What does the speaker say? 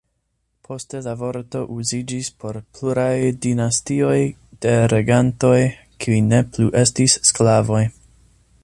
Poste la vorto uziĝis por pluraj dinastioj de regantoj, kiuj ne plu estis sklavoj.